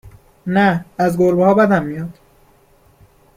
نه از گربه ها بدم میاد